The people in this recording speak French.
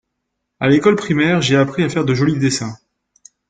À l'école primaire j'ai appris à faire de joli dessins.